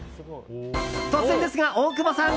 突然ですが、大久保さん！